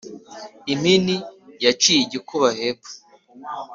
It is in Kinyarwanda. impini yaciye igikuba hepfo